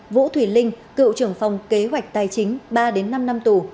vũ thủy linh cựu trưởng phòng kế hoạch tài chính ba năm năm tù